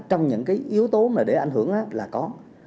trong những cái yếu tố mà để ảnh hưởng là có